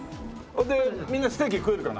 でみんなステーキ食えるかな？